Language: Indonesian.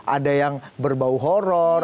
ada yang berbau horror